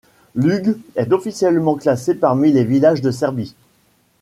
Lug est officiellement classé parmi les villages de Serbie.